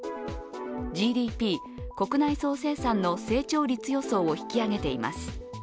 ＧＤＰ＝国内総生産の成長率予想を引き上げています。